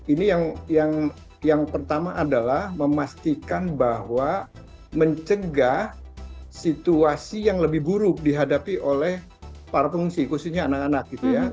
ini yang pertama adalah memastikan bahwa mencegah situasi yang lebih buruk dihadapi oleh para pengungsi khususnya anak anak gitu ya